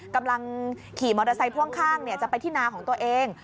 กำลังขี่มอเตอร์ไซค์พ่วงข้างจะไปที่นาของตัวเอง